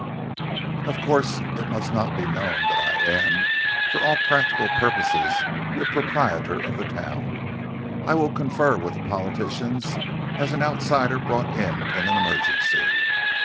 "Of course, it must not be known that I am for all practical purposes the proprietor of the town. I will confer with the politicians as an outsider brought in in an emergency.